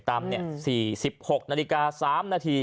ตามนี้๑๖นาฬิกา๓นาที